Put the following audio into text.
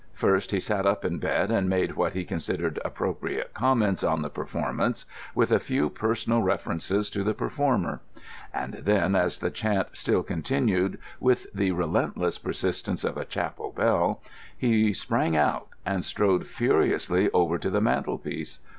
First he sat up in bed and made what he considered appropriate comments on the performance, with a few personal references to the performer; and then, as the chant still continued with the relentless persistence of a chapel bell, he sprang out and strode furiously over to the mantelpiece.